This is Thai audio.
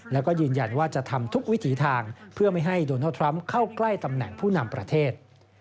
แล้วก็ยืนยันว่าจะทำทุกวิถีทางเพื่อไม่ให้โดนัลดทรัมป์เข้าใกล้ตำแหน่งผู้นำประเทศ